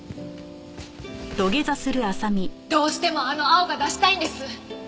どうしてもあの青が出したいんです。